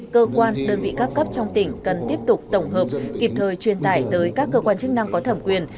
cơ quan đơn vị các cấp trong tỉnh cần tiếp tục tổng hợp kịp thời truyền tải tới các cơ quan chức năng có thẩm quyền